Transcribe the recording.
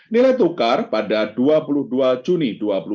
nilai tukar pada dua puluh dua juni dua ribu dua puluh